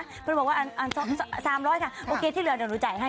เพื่อนบอกว่า๓๐๐ค่ะโอเคที่เหลือเดี๋ยวหนูจ่ายให้